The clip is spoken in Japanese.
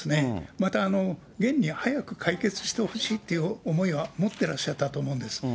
また、現に早く解決してほしいという思いは持ってらっしゃったと思うんです。